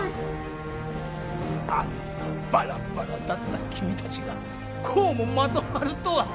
あんなバラバラだった君たちがこうもまとまるとは。